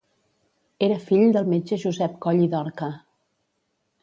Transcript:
Era fill del metge Josep Coll i Dorca.